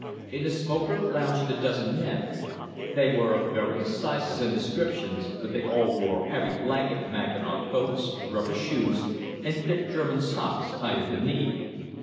In the smoker lounged a dozen men. They were of various sizes and descriptions, but they all wore heavy blanket mackinaw coats, rubber shoes, and thick German socks tied at the knee.